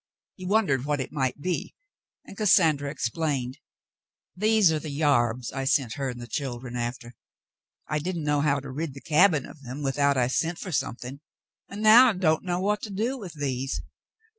He won dered what it might be, and Cassandra explained. "These are the yarbs I sent her and the children aftah. I didn't know how to rid the cabin of them without I sent for something, and now I don't know what to do with these.